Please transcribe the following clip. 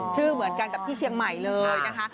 เหมือนกันกับที่เชียงใหม่เลยนะคะ